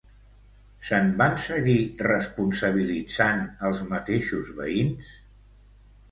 Se'n van seguir responsabilitzant els mateixos veïns?